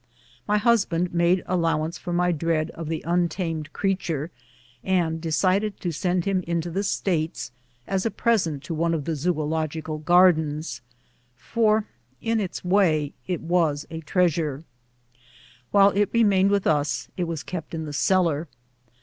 My husband made allowance for my dread of the untamed creature, and decided to send him into the CURIOUS CHARACTERS AND EXCURSIONISTS. 246 States, as a present to one of the zoological gardens ; for ill its way it was a treasure. While it remained with us it was kept in the cellar.